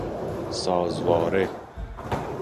سازواره